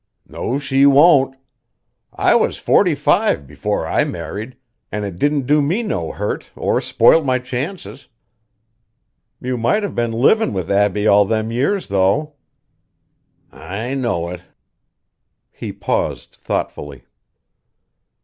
"No, she won't. I was forty five before I married, an' it didn't do me no hurt or spoil my chances." "You might have been livin' with Abbie all them years, though." "I know it." He paused thoughtfully.